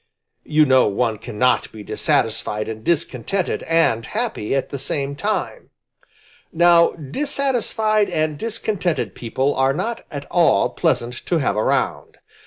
You know one cannot be dissatisfied and discontented and happy at the same time. Now dissatisfied and discontented people are not at all pleasant to have around.